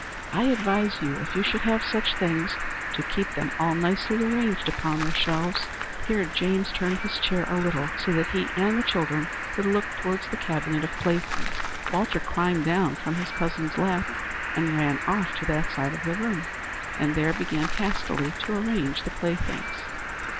I advise you, if you should have such things, to keep them all nicely arranged upon their shelves." Here James turned his chair a little, so that he and the children could look towards the cabinet of playthings. Walter climbed down from his cousin's lap and ran off to that side of the room, and there began hastily to arrange the playthings.